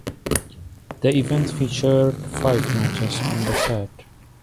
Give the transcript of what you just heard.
The event featured five matches on the card.